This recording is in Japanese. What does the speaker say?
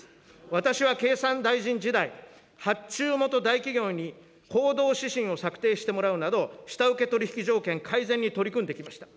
私は経産大臣時代、発注元大企業に行動指針を策定してもらうなど、下請け取り引き条件改善に取り組んできました。